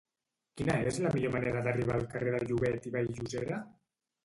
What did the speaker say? Quina és la millor manera d'arribar al carrer de Llobet i Vall-llosera?